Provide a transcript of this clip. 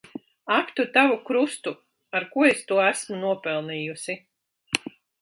Ak tu tavu krustu! Ar ko es to esmu nopelnījusi.